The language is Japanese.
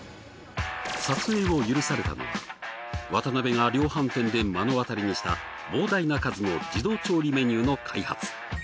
撮影を許されたのは渡辺が量販店で目の当たりにした膨大な数の自動調理メニューの開発。